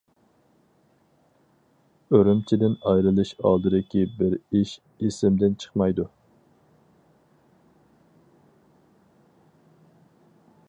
ئۈرۈمچىدىن ئايرىلىش ئالدىدىكى بىر ئىش ئېسىمدىن چىقمايدۇ.